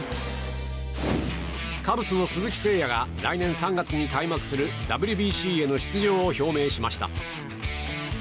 カブスの鈴木誠也が来年３月に開幕するＷＢＣへの出場を表明しました。